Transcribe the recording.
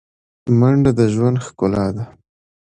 منډه د ژوندانه ښکلا ده